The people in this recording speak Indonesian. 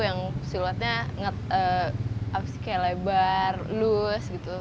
yang silatnya kayak lebar lus gitu